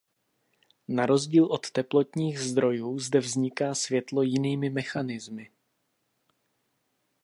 Na rozdíl od teplotních zdrojů zde vzniká světlo jinými mechanismy.